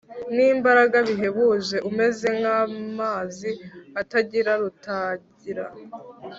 N imbaraga bihebuje umeze nk amazi atagira rutangira